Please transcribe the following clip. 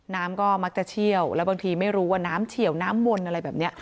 น้ำก็มักจะเชี่ยวแล้วบางทีไม่รู้ว่าน้ำเฉียวน้ำวนอะไรแบบนี้